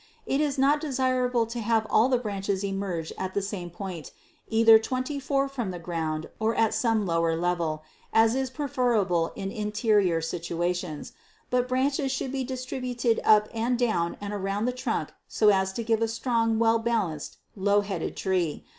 It is not desirable to have all the branches emerge at the same point, either 24 from the ground or at some lower level, as is preferable in interior situations, but branches should be distributed up and down and around the trunk so as to give a strong, well balanced, low headed tree.